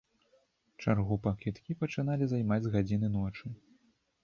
Чаргу па квіткі пачыналі займаць з гадзіны ночы.